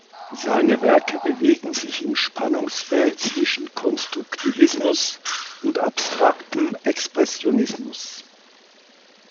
Seine Werke bewegen sich im Spannungsfeld zwischen Konstruktivismus und Abstraktem Expressionismus.